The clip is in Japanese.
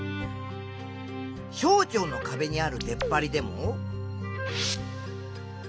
小腸のかべにある出っ張りでも。